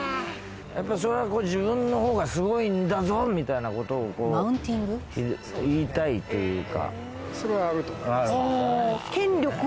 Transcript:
やっぱりそれは自分の方がすごいんだぞみたいな事を言いたいというか。